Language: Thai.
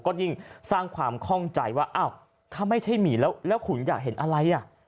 ก็ยิ่งสร้างความข้องใจว่าอ้าวถ้าไม่ใช่หมีแล้วขุนอยากเห็นอะไรอ่ะ